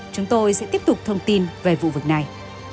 chúng tôi sẽ tiếp tục thông tin về vụ việc này